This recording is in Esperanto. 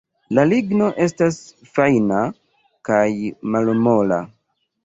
La ligno estas fajna kaj malmola.